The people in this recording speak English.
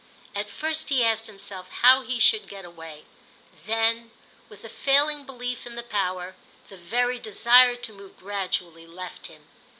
At first he asked himself how he should get away; then, with the failing belief in the power, the very desire to move gradually left him.